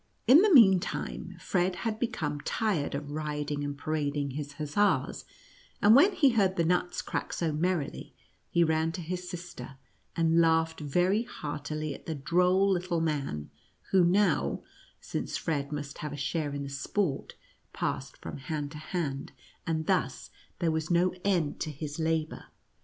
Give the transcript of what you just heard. In the mean time Fred had become tired of riding and parading his hussars, and when he heard the nuts crack so merrily, he ran to his sister, and laughed very heartily at the droll lit tle man, who now, since Fred must have a share in the sport, passed from hand to hand, and thus there was no end to his labor.